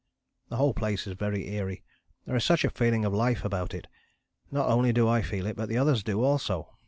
"The whole place is very eerie, there is such a feeling of life about it. Not only do I feel it but the others do also.